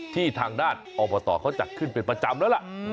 ที่ทางด้านอบตเขาจัดขึ้นเป็นประจำแล้วล่ะ